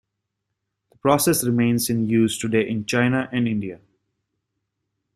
The process remains in use today in China and India.